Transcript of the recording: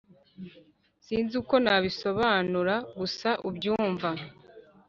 Sinzi uko nabisobanura gusa ubyumva